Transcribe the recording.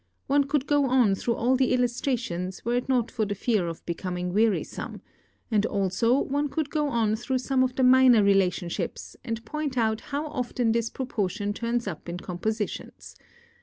One could go on through all the illustrations were it not for the fear of becoming wearisome; and also, one could go on through some of the minor relationships, and point out how often this proportion turns up in compositions.